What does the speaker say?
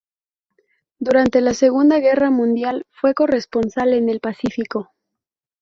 Durante la Segunda Guerra Mundial fue corresponsal en el Pacífico.